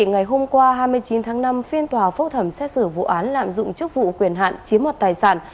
ngày hôm qua hai mươi chín tháng năm phiên tòa phúc thẩm xét xử vụ án lạm dụng chức vụ quyền hạn chiếm mọt tài sản